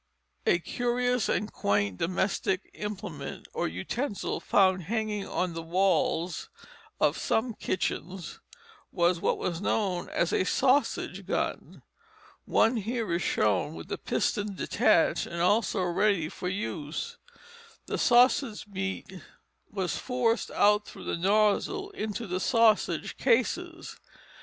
A curious and quaint domestic implement or utensil found hanging on the walls of some kitchens was what was known as a sausage gun. One here is shown with the piston detached, and also ready for use. The sausage meat was forced out through the nozzle into the sausage cases.